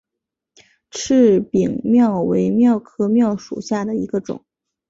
翅柄蓼为蓼科蓼属下的一个种。